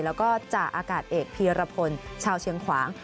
แล้วก็จ่าอากาศเอกพีรพลชาวเชียงขวาง